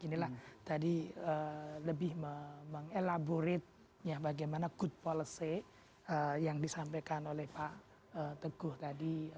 inilah tadi lebih mengelaborate bagaimana good policy yang disampaikan oleh pak teguh tadi